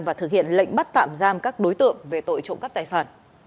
và thực hiện lệnh bắt tạm giam các đối tượng về tội trộm cắp tài sản